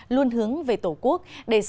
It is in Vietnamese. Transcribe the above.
luôn hướng về tổ quốc